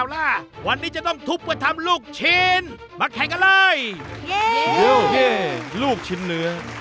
ลูกชิ้นเนื้อ